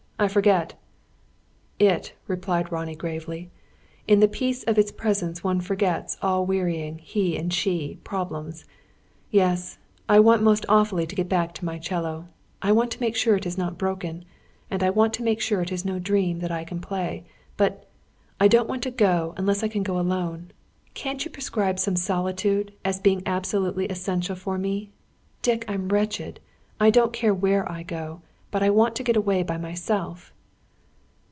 I forget." "It," replied Ronnie, gravely. "In the peace of its presence one forgets all wearying 'he and she' problems. Yes, I want most awfully to get back to my 'cello. I want to make sure it is not broken; and I want to make sure it is no dream, that I can play. But I don't want to go, unless I can go alone. Can't you prescribe complete solitude, as being absolutely essential for me? Dick, I'm wretched! I don't care where I go; but I want to get away by myself."